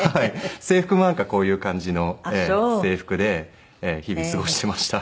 制服もなんかこういう感じの制服で日々過ごしていました。